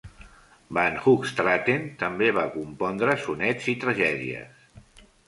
Van Hoogstraten també va compondre sonets i tragèdies.